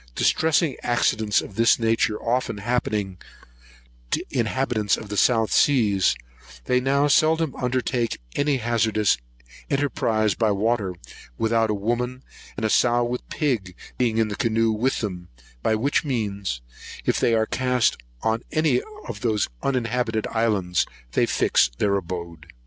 Distressing accidents of this nature often happening to inhabitants of the South Seas, they now seldom undertake any hazardous enterprise by water without a woman, and a sow with pig, being in the canoe with them; by which means, if they are cast on any of those uninhabited islands, they fix their abode.